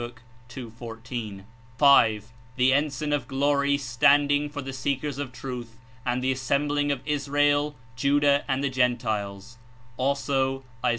14) — (5) 42 the Ensign of Glory standing for the seekers of truth and the assembling of Israel, Judah and the Gentiles (also Is.